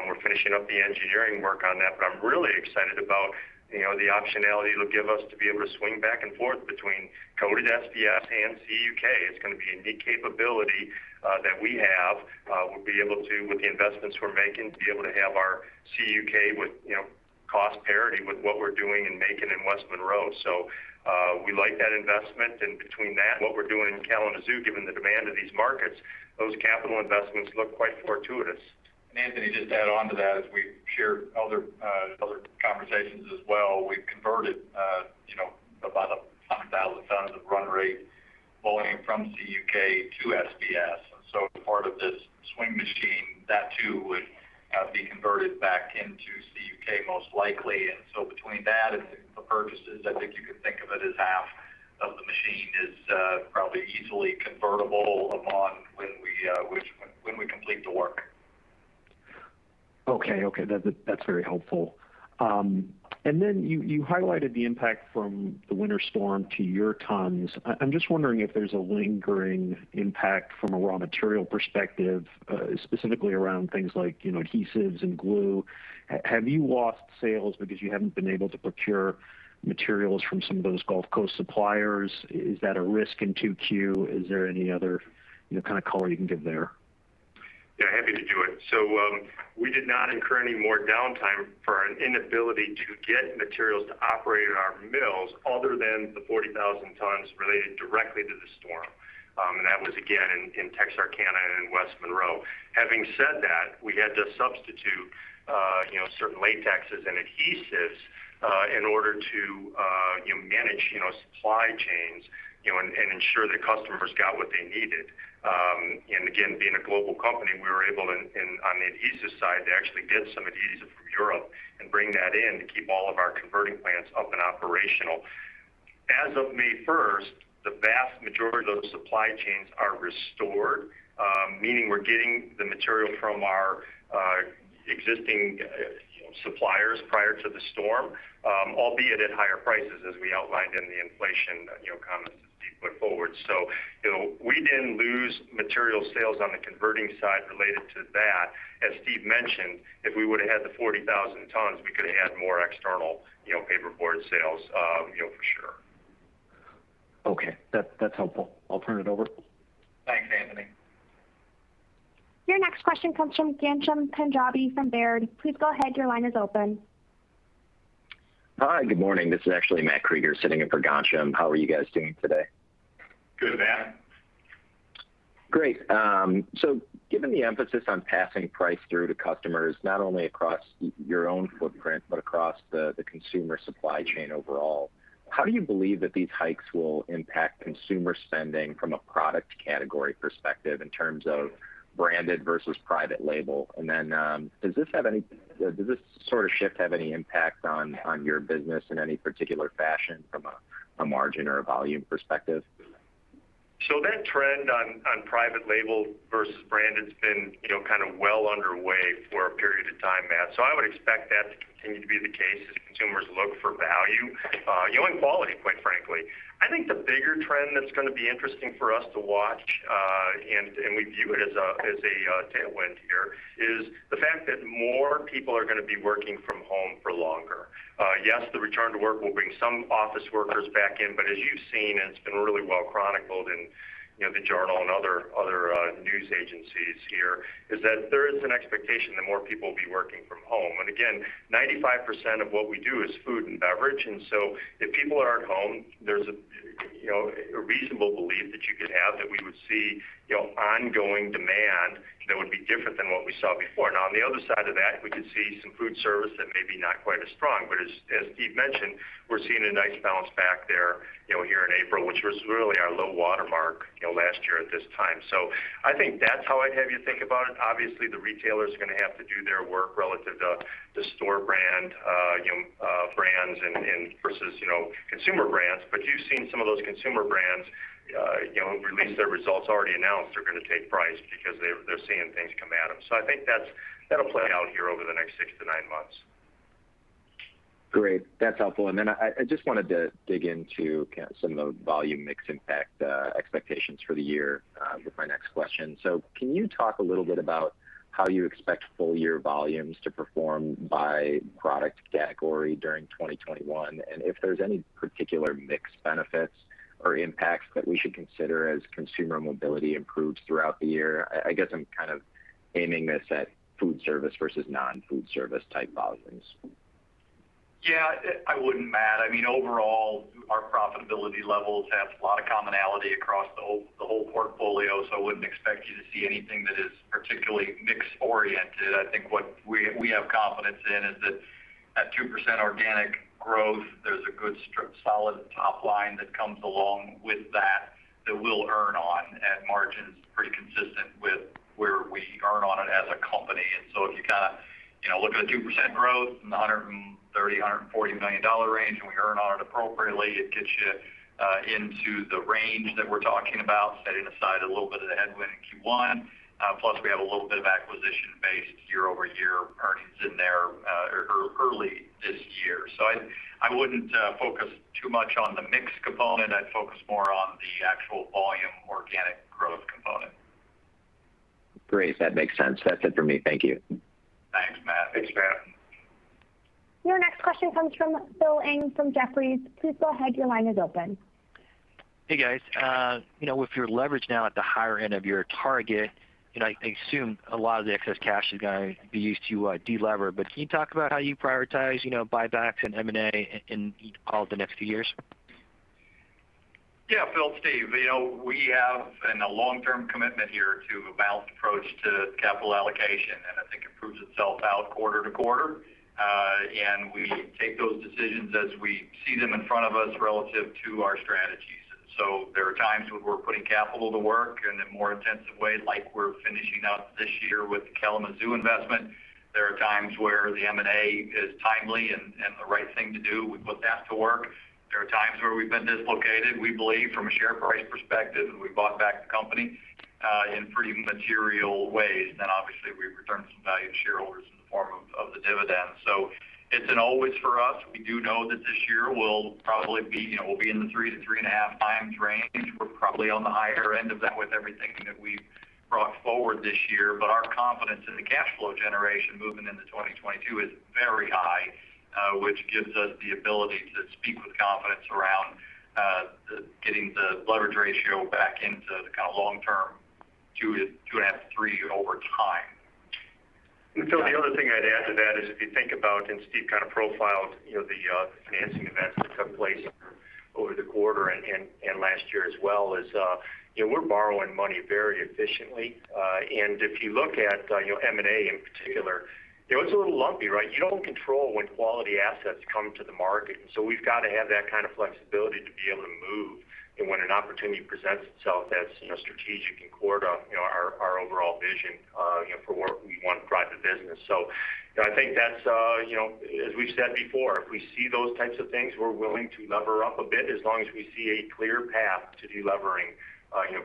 We're finishing up the engineering work on that. I'm really excited about the optionality it'll give us to be able to swing back and forth between coated SBS and CUK. It's going to be a neat capability that we have. We'll be able to, with the investments we're making, to be able to have our CUK with cost parity with what we're doing in Macon and West Monroe. We like that investment. Between that and what we're doing in Kalamazoo, given the demand of these markets, those capital investments look quite fortuitous. Anthony, just to add onto that, as we've shared other conversations as well, we've converted about 100,000 tons of run rate volume from CUK to SBS. Part of this swing machine, that too would be converted back into CUK most likely. Between that and the purchases, I think you could think of it as half of the machine is probably easily convertible upon when we complete the work. Okay. That's very helpful. You highlighted the impact from the Winter Storm to your tons. I'm just wondering if there's a lingering impact from a raw material perspective, specifically around things like adhesives and glue. Have you lost sales because you haven't been able to procure materials from some of those Gulf Coast suppliers? Is that a risk in 2Q? Is there any other kind of color you can give there? Yeah, happy to do it. We did not incur any more downtime for an inability to get materials to operate our mills other than the 40,000 tons related directly to the storm. That was, again, in Texarkana and West Monroe. Having said that, we had to substitute certain latexes and adhesives in order to manage supply chains and ensure that customers got what they needed. Again, being a global company, we were able, on the adhesives side, to actually get some adhesive from Europe and bring that in to keep all of our converting plants up and operational. As of May 1st, the vast majority of those supply chains are restored. Meaning we're getting the material from our existing suppliers prior to the storm, albeit at higher prices, as we outlined in the inflation comments as Steve put forward. We didn't lose material sales on the converting side related to that. As Stephen mentioned, if we would've had the 40,000 tons, we could've had more external paperboard sales for sure. Okay. That's helpful. I'll turn it over. Thanks, Anthony. Your next question comes from Ghansham Panjabi from Baird. Please go ahead. Your line is open. Hi. Good morning. This is actually Matt Krueger sitting in for Ghansham. How are you guys doing today? Good, Matt. Great. Given the emphasis on passing price through to customers, not only across your own footprint, but across the consumer supply chain overall, how do you believe that these hikes will impact consumer spending from a product category perspective in terms of branded versus private label? Does this sort of shift have any impact on your business in any particular fashion from a margin or a volume perspective? That trend on private label versus brand has been kind of well underway for a period of time, Matt. I would expect that to continue to be the case as consumers look for value and quality, quite frankly. I think the bigger trend that's going to be interesting for us to watch, and we view it as a tailwind here, is the fact that more people are going to be working from home for longer. Yes, the return to work will bring some office workers back in, but as you've seen, and it's been really well chronicled in "The Journal" and other news agencies here, is that there is an expectation that more people will be working from home. Again, 95% of what we do is food and beverage. If people aren't home, there's a reasonable belief that we would see ongoing demand than what we saw before. On the other side of that, we could see some food service that may be not quite as strong. As Steve mentioned, we're seeing a nice bounce back there here in April, which was really our low watermark last year at this time. I think that's how I'd have you think about it. Obviously, the retailers are going to have to do their work relative to the store brands versus consumer brands. You've seen some of those consumer brands release their results already announced they're going to take price because they're seeing things come at them. I think that'll play out here over the next six to nine months. Great. That's helpful. I just wanted to dig into some of the volume mix impact expectations for the year with my next question. Can you talk a little bit about how you expect full year volumes to perform by product category during 2021? If there's any particular mix benefits or impacts that we should consider as consumer mobility improves throughout the year? I guess I'm kind of aiming this at food service versus non-food service type volumes. Yeah. I wouldn't, Matt. Overall, our profitability levels have a lot of commonality across the whole portfolio, so I wouldn't expect you to see anything that is particularly mix-oriented. I think what we have confidence in is that at 2% organic growth, there's a good, solid top line that comes along with that we'll earn on at margins pretty consistent with where we earn on it as a company. If you look at a 2% growth in the $130 million, $140 million range, and we earn on it appropriately, it gets you into the range that we're talking about, setting aside a little bit of the headwind in Q1. Plus, we have a little bit of acquisition-based year-over-year earnings in there early this year. I wouldn't focus too much on the mix component. I'd focus more on the actual volume organic growth component. Great. That makes sense. That's it for me. Thank you. Thanks, Matt. Thanks, Matt. Your next question comes from Phil Ng from Jefferies. Please go ahead. Your line is open. Hey, guys. With your leverage now at the higher end of your target, I assume a lot of the excess cash is going to be used to delever. Can you talk about how you prioritize buybacks and M&A in all the next few years? Yeah, Phil. Steve. We have a long-term commitment here to a balanced approach to capital allocation. I think it proves itself out quarter to quarter. We take those decisions as we see them in front of us relative to our strategies. There are times when we're putting capital to work in a more intensive way, like we're finishing up this year with the Kalamazoo investment. There are times where the M&A is timely and the right thing to do. We put that to work. There are times where we've been dislocated, we believe, from a share price perspective. We bought back the company in pretty material ways. Obviously, we've returned some value to shareholders in the form of the dividends. It's an always for us. We do know that this year we'll be in the 3x to 3.5x range. We're probably on the higher end of that with everything that we've brought forward this year. Our confidence in the cash flow generation moving into 2022 is very high, which gives us the ability to speak with confidence around getting the leverage ratio back into the long-term 2.5-3 over time. Phil, the other thing I'd add to that is if you think about, Steve kind of profiled the financing events that took place over the quarter and last year as well, is we're borrowing money very efficiently. If you look at M&A in particular, it's a little lumpy, right? You don't control when quality assets come to the market. So we've got to have that kind of flexibility to be able to move. When an opportunity presents itself that's strategic and core to our overall vision for where we want to drive the business. I think as we've said before, if we see those types of things, we're willing to lever up a bit as long as we see a clear path to de-levering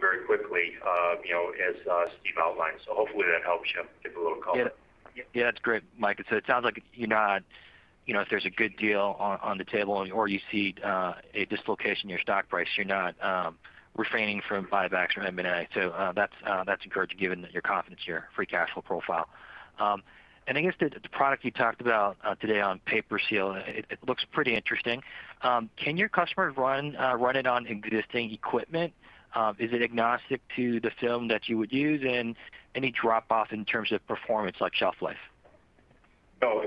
very quickly, as Stephen outlined. Hopefully that helps you give a little color. Yeah. That's great, Mike. It sounds like if there's a good deal on the table or you see a dislocation in your stock price, you're not refraining from buybacks or M&A. That's encouraging given your confidence, your free cash flow profile. I guess the product you talked about today on PaperSeal, it looks pretty interesting. Can your customers run it on existing equipment? Is it agnostic to the film that you would use? Any drop-off in terms of performance like shelf life?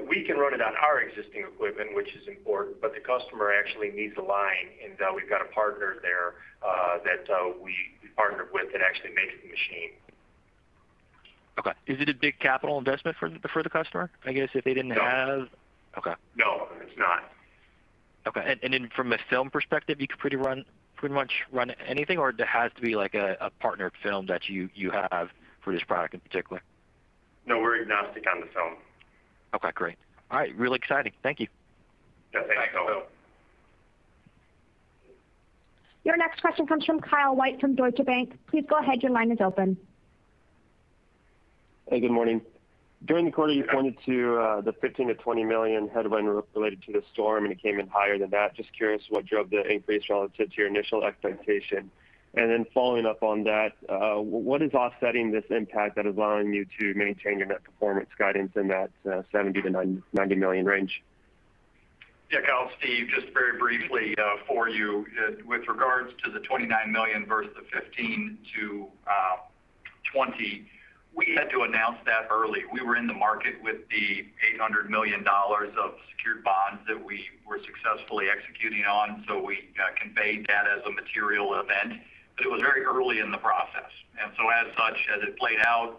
We can run it on our existing equipment, which is important, but the customer actually needs a line, and we've got a partner there that we partnered with that actually makes the machine. Okay. Is it a big capital investment for the customer, I guess if they didn't have? No. Okay. No, it's not. Okay. Then from a film perspective, you could pretty much run anything, or it has to be a partnered film that you have for this product in particular? No, we're agnostic on the film. Okay, great. All right. Really exciting. Thank you. Yeah. Thanks, Phil. Thanks, Phil. Your next question comes from Kyle White from Deutsche Bank. Please go ahead. Your line is open. Hey, good morning. During the quarter, you pointed to the $15 million-$20 million headwind related to the storm. It came in higher than that. Just curious what drove the increase relative to your initial expectation. Following up on that, what is offsetting this impact that is allowing you to maintain your net performance guidance in that $70 million-$90 million range? Yeah, Kyle. Steve, just very briefly for you. With regards to the $29 million versus the $15-$20, we had to announce that early. We were in the market with the $800 million of secured bonds that we were successfully executing on. We conveyed that as a material event, but it was very early in the process. As such, as it played out,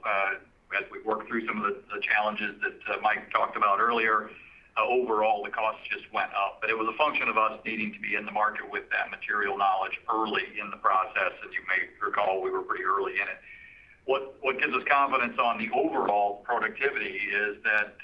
as we worked through some of the challenges that Mike talked about earlier, overall, the cost just went up. It was a function of us needing to be in the market with that material knowledge early in the process. As you may recall, we were pretty early in it. What gives us confidence on the overall productivity is that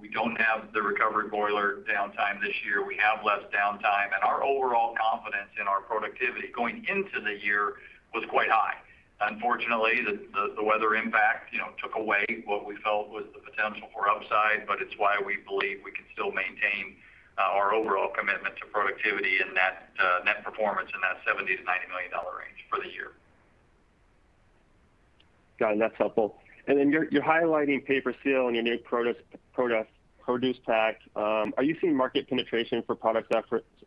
we don't have the recovery boiler downtime this year. We have less downtime. Our overall confidence in our productivity going into the year was quite high. Unfortunately, the weather impact took away what we felt was the potential for upside. It's why we believe we can still maintain our overall commitment to productivity and net performance in that $70 million-$90 million range for the year. Got it. That's helpful. You're highlighting PaperSeal and your new ProducePack. Are you seeing market penetration for product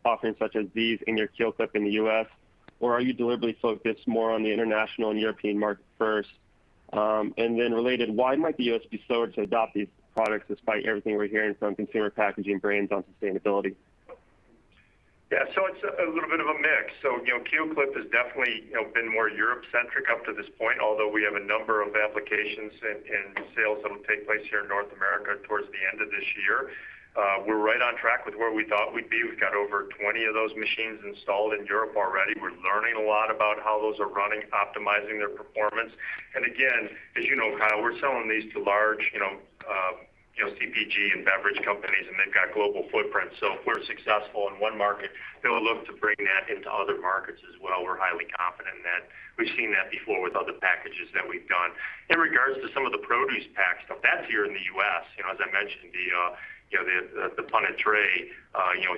offerings such as these in your KeelClip in the U.S., or are you deliberately focused more on the international and European market first? Related, why might the U.S. be slower to adopt these products despite everything we're hearing from consumer packaging brands on sustainability? It's a little bit of a mix. KeelClip has definitely been more Europe-centric up to this point, although we have a number of applications and sales that will take place here in North America towards the end of this year. We're right on track with where we thought we'd be. We've got over 20 of those machines installed in Europe already. We're learning a lot about how those are running, optimizing their performance. Again, as you know, Kyle, we're selling these to large CPG and beverage companies, and they've got global footprint. If we're successful in one market, they will look to bring that into other markets as well. We're highly confident in that. We've seen that before with other packages that we've done. In regards to some of the ProducePack stuff, that's here in the U.S. As I mentioned, the punnet tray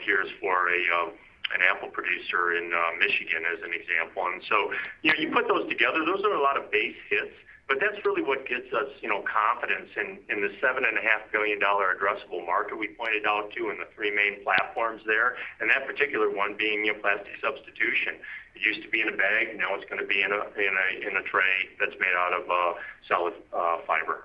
here is for an apple producer in Michigan, as an example. You put those together, those are a lot of base hits, but that's really what gives us confidence in the $7.5 billion addressable market we pointed out too, and the three main platforms there, and that particular one being plastic substitution. It used to be in a bag. Now it's going to be in a tray that's made out of solid fiber.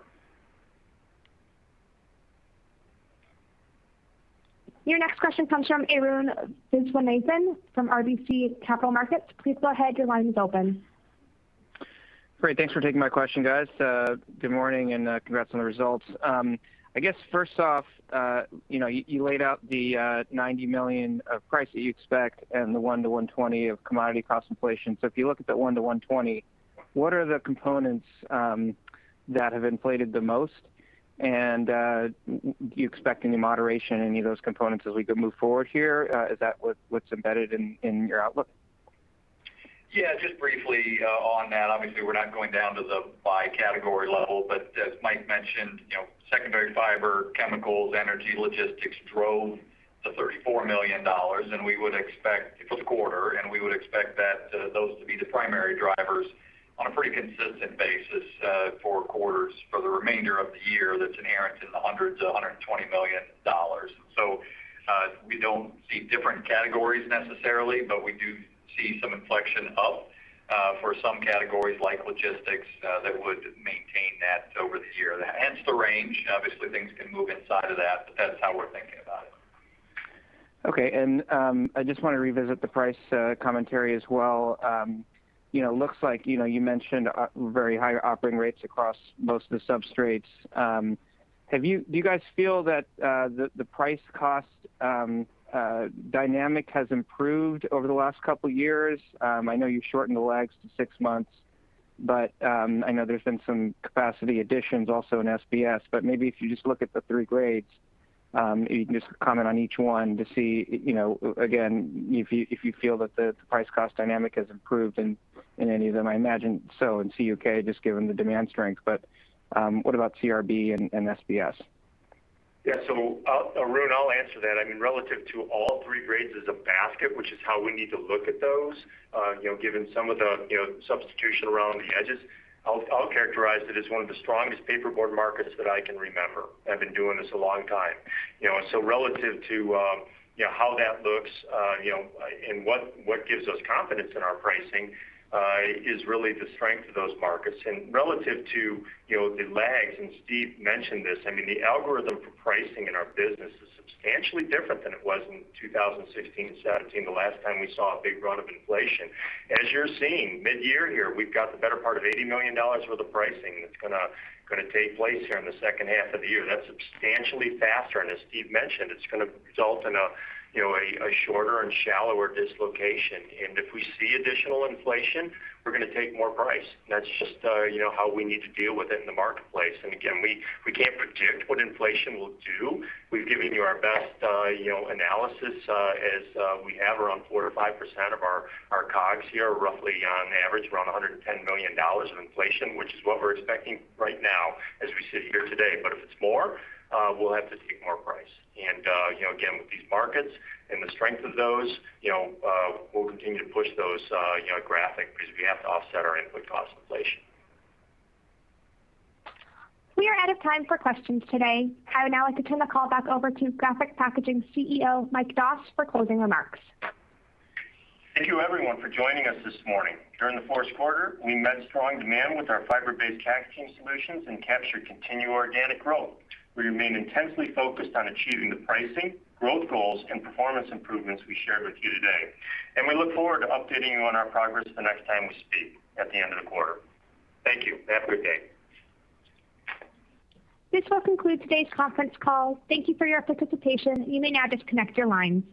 Your next question comes from Arun Viswanathan from RBC Capital Markets. Please go ahead. Your line is open. Great. Thanks for taking my question, guys. Good morning, and congrats on the results. I guess first off, you laid out the $90 million of price that you expect and the $100 million-$120 million of commodity cost inflation. If you look at the $100 million-$120 million, what are the components that have inflated the most? Do you expect any moderation in any of those components as we move forward here? Is that what's embedded in your outlook? Yeah. Just briefly on that, obviously, we're not going down to the by category level, but as Mike mentioned, secondary fiber, chemicals, energy, logistics drove the $34 million for the quarter, and we would expect those to be the primary drivers on a pretty consistent basis for quarters for the remainder of the year that's inherent in the $100 million-$120 million. We don't see different categories necessarily, but we do see some inflection up for some categories like logistics that would maintain that over the year. Hence the range. Obviously, things can move inside of that, but that's how we're thinking about it. Okay, I just want to revisit the price commentary as well. Looks like you mentioned very high operating rates across most of the substrates. Do you guys feel that the price cost dynamic has improved over the last couple years? I know you've shortened the lags to six months, but I know there's been some capacity additions also in SBS. Maybe if you just look at the three grades, you can just comment on each one to see, again, if you feel that the price cost dynamic has improved in any of them. I imagine so in CUK, just given the demand strength, but what about CRB and SBS? Yeah. Arun, I'll answer that. Relative to all three grades as a basket, which is how we need to look at those, given some of the substitution around the edges, I'll characterize it as one of the strongest paperboard markets that I can remember. I've been doing this a long time. Relative to how that looks and what gives us confidence in our pricing is really the strength of those markets. Relative to the lags, and Steve mentioned this, the algorithm for pricing in our business is substantially different than it was in 2016 and 2017, the last time we saw a big run of inflation. As you're seeing, mid-year here, we've got the better part of $80 million worth of pricing that's going to take place here in the second half of the year. That's substantially faster. As Steve mentioned, it's going to result in a shorter and shallower dislocation. If we see additional inflation, we're going to take more price. That's just how we need to deal with it in the marketplace. Again, we can't predict what inflation will do. We've given you our best analysis as we have around 4%-5% of our COGS here, roughly on average around $110 million of inflation, which is what we're expecting right now as we sit here today. If it's more, we'll have to take more price. Again, with these markets and the strength of those, we'll continue to push those Graphic because we have to offset our input cost inflation. We are out of time for questions today. I would now like to turn the call back over to Graphic Packaging CEO, Mike Doss, for closing remarks. Thank you everyone for joining us this morning. During the fourth quarter, we met strong demand with our fiber-based packaging solutions and captured continued organic growth. We remain intensely focused on achieving the pricing, growth goals, and performance improvements we shared with you today. We look forward to updating you on our progress the next time we speak at the end of the quarter. Thank you. Have a good day. This will conclude today's conference call. Thank you for your participation. You may now disconnect your lines.